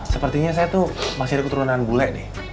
sepertinya saya tuh masih ada keturunan bule nih